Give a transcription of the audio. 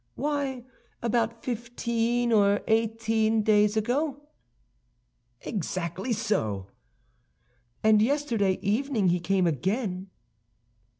"Why, about fifteen or eighteen days ago." "Exactly so." "And yesterday evening he came again."